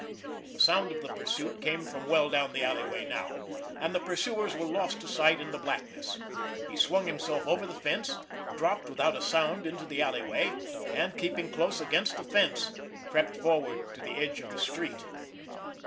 The sound of the pursuit came from well down the alleyway now, and the pursuers were lost to sight in the blackness. He swung himself over the fence, dropped without a sound into the alleyway, and keeping close against the fence, crept forward to the edge of the street.